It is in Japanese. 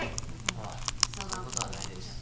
ああそういうことはないですああ